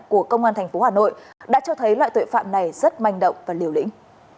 của công an tp hà nội đã cho thấy loại tội phạm này rất manh động và liều lĩnh